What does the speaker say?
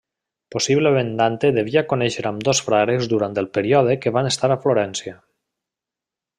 Possiblement Dante devia conèixer ambdós frares durant el període que van estar a Florència.